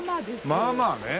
まあまあね。